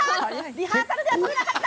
リハーサルでは取れなかった。